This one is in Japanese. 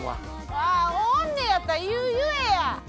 ああおんねやったら言えや！